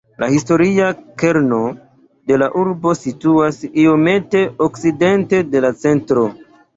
La historia kerno de la urbo situas iomete okcidente de la centro.